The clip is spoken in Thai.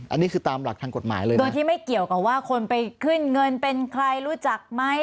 อันนี้คือตามหลักทางกฎหมายเลยนะโดยที่ไม่เกี่ยวกับว่าคนไปขึ้นเงินเป็นใครรู้จักไหม